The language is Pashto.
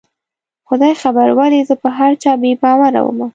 خدای خبر ولې زه په هر چا بې باوره ومه